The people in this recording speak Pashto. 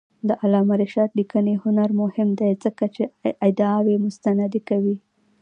د علامه رشاد لیکنی هنر مهم دی ځکه چې ادعاوې مستندې کوي.